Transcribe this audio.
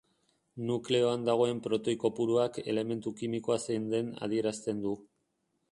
Nukleoan dagoen protoi kopuruak elementu kimikoa zein den adierazten du.